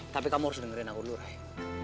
tapi kamu harus dengerin aku dulu rai